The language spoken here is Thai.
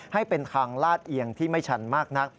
ให้เป็นทางลาดเอียงที่ไม่ชันมากนัก